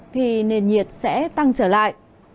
thì nền nhiệt sẽ tăng trở lại